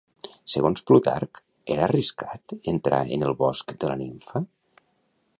Segons Plutarc, era arriscat entrar en el bosc de la nimfa?